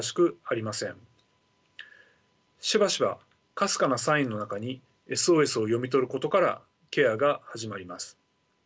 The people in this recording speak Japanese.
しばしばかすかなサインの中にＳＯＳを読み取ることからケアが始まります。